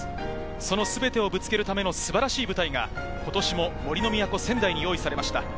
そのすべてをぶつけるための素晴らしい舞台が今年も杜の都・仙台に用意されました。